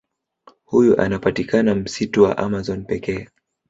Huyu anapatikana msitu wa amazon pekee